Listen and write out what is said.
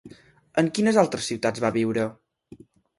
En quines altres ciutats va viure?